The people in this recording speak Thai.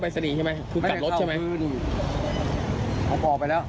มอไซมาทางตรงมาทางตรงครับกลับหัวไปแล้วรถเขาไหลมาจอด